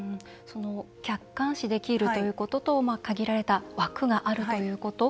客観視できるということと限られた枠があるということ。